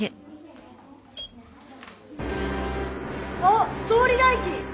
あっ総理大臣。